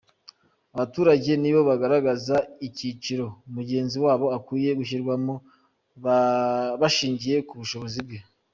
Abaturage nibo bagaragaza icyiciro mugenzi wabo akwiye gushyirwamo bashingiye ku bushobozi bwe.